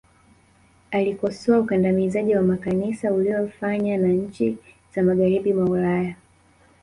alikosoa ukandamizaji wa makanisa uliyofanya na nchi za magharibi mwa ulaya